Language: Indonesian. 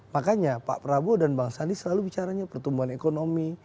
makanya pak prabowo dan bang sandi selalu bicaranya pertumbuhan ekonomi